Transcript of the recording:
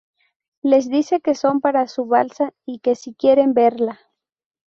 Les dice que son para su balsa y que si quieren verla.